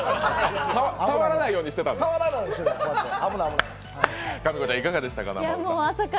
触らないようにしてたんですか。